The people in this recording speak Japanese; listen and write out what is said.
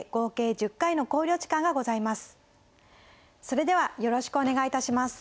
それではよろしくお願いいたします。